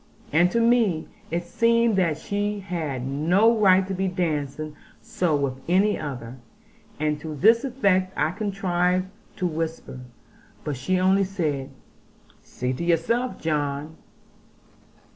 And to me it seemed that she had no right to be dancing so with any other; and to this effect I contrived to whisper; but she only said, 'See to yourself, John.